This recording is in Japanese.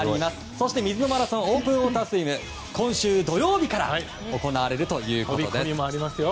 そして、水のマラソンオープンウォータースイムは今週土曜日から行われるということです。